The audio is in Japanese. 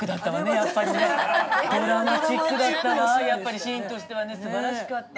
いやあれはシーンとしてはすばらしかった。